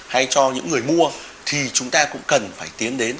hay cho những người mua thì chúng ta cũng cần phải tiến đến